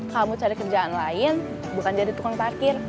kamu cari kerjaan lain bukan jadi tukang parkir